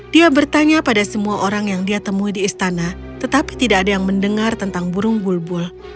dia bertanya pada semua orang yang dia temui di istana tetapi tidak ada yang mendengar tentang burung bulbul